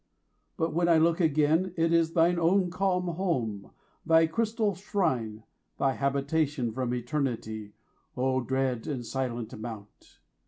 But when I look again, 10 It is thine own calm home, thy crystal shrine, Thy habitation from eternity O dread and silent Mount!